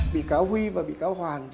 bị cáo huy và bị cáo hoàn